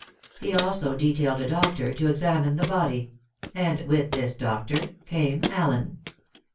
He also detailed a doctor to examine the body; and with this doctor came Allen.